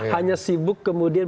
hanya sibuk kemudian